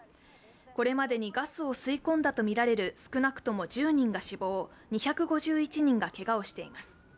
これまでにガスを吸い込んだとみられる少なくとも１０人が死亡、２５１人がけがをしています。